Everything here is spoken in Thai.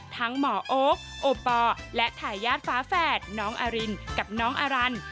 หมอโอ๊คโอปอลและทายาทฟ้าแฝดน้องอารินกับน้องอารัน